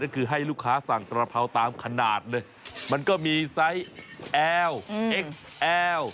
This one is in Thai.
ก็คือให้ลูกค้าสั่งกระเพราตามขนาดเลยมันก็มีไซส์แอลเอ็กซ์แอล